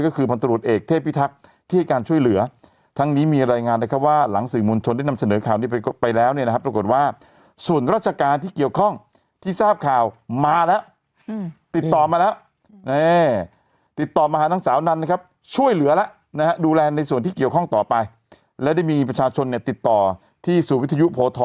ก็คือพันตรวจเอกเทพิทักษ์ที่ให้การช่วยเหลือทั้งนี้มีรายงานนะครับว่าหลังสื่อมวลชนได้นำเสนอข่าวนี้ไปแล้วเนี่ยนะครับปรากฏว่าส่วนราชการที่เกี่ยวข้องที่ทราบข่าวมาแล้วติดต่อมาแล้วติดต่อมาหานางสาวนันนะครับช่วยเหลือแล้วนะฮะดูแลในส่วนที่เกี่ยวข้องต่อไปและได้มีประชาชนเนี่ยติดต่อที่ศูนย์วิทยุโพท